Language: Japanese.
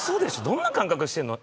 どんな感覚してんの？